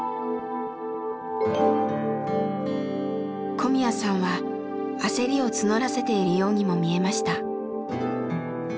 小宮さんは焦りを募らせているようにも見えました。